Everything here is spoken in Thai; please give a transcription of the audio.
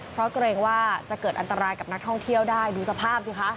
เพราะเกรงว่าจะเกิดอันตรายกับนักท่องเที่ยวได้ดูสภาพสิคะ